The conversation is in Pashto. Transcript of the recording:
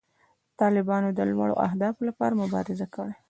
طالبانو د لوړو اهدافو لپاره مبارزه کړې.